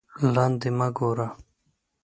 لاندې مه گوره